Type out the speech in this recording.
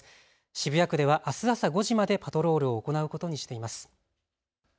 渋谷区ではあす朝５時までパトロールを行うことにしています。